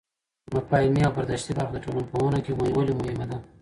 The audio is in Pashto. مفاهیمي او برداشتي برخه د ټولنپوهنه کې ولې مهمه ده؟